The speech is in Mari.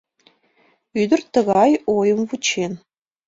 Ӱдыр тыгай ойым вучен.